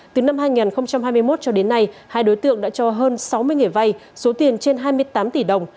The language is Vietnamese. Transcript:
từ năm hai nghìn hai mươi một cho đến nay hai đối tượng đã cho hơn sáu mươi người vay số tiền trên hai mươi tám tỷ đồng